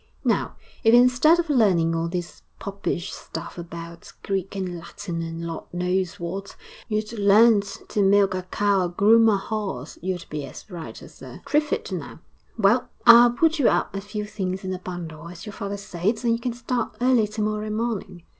Now, if instead of learning all this popish stuff about Greek and Latin and Lord knows what, you'd learnt to milk a cow or groom a horse you'd be as right as a trivet now. Well, I'll put you up a few things in a bundle as your father says and you can start early to morrow morning....